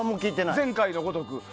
前回のごとくね。